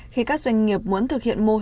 khi các doanh nghiệp muốn thực hiện mô hiệu